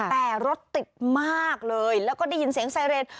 แต่รถติดมากเลยแล้วก็ได้ยินเสียงไซเรน